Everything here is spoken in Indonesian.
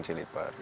catering cili pari